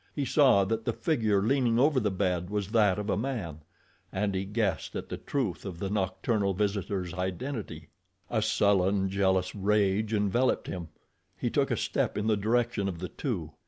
He saw that the figure leaning over the bed was that of a man, and he guessed at the truth of the nocturnal visitor's identity. A sullen, jealous rage enveloped him. He took a step in the direction of the two.